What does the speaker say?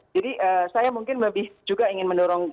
jadi saya mungkin lebih juga ingin mendorong